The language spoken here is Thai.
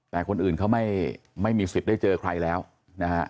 แต่คนอื่นเขาไม่มีสิทธิ์ได้เจอใครแล้วนะฮะ